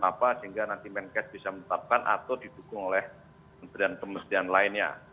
apa sehingga nanti main cash bisa menetapkan atau didukung oleh pemerintahan pemerintahan lainnya